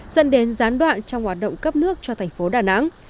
dẫn đến gián đoạn trong hoạt động cấp nước cho thành phố đà nẵng